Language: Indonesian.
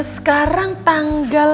sekarang tanggal sembilan